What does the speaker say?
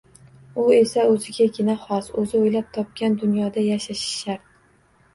U esa oʻzigagina xos, oʻzi oʻylab topgan dunyoda yashashi shart